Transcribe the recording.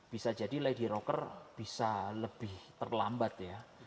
bisa jadi lady rocker bisa lebih terlambat ya